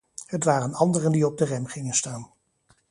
Het waren anderen die op de rem gingen staan.